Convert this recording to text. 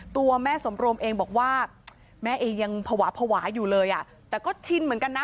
ตัวแม่สมรวมเองบอกว่าแม่เองยังภาวะภาวะอยู่เลยอ่ะแต่ก็ชินเหมือนกันนะ